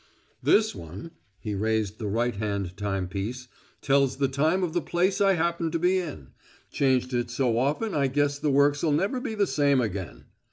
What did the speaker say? "This one" he raised the right hand time piece "tells the time of the place I happen to be in changed it so often I guess the works'll never be the same again.